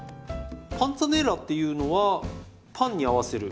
パンツァネッラっていうのはパンに合わせる。